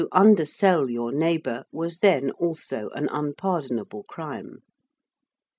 To undersell your neighbour was then also an unpardonable crime.